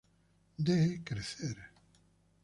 De crecer.